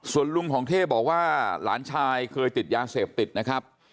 ส่วนลุงของเท่บอกว่าหลานชายเคยติดยาเสพติดนะครับ